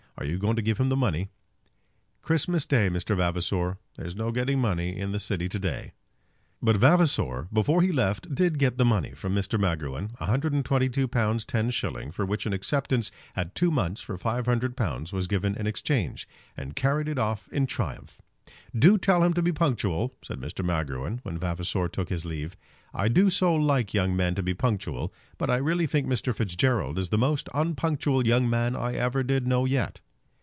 Are you going to give him the money?" "Christmas day, Mr. Vavasor! There's no getting money in the city to day." But Vavasor before he left did get the money from Mr. Magruin, £122 10s. for which an acceptance at two months for £500 was given in exchange, and carried it off in triumph. "Do tell him to be punctual," said Mr. Magruin, when Vavasor took his leave. "I do so like young men to be punctual. But I really think Mr. Fitzgerald is the most unpunctual young man I ever did know yet."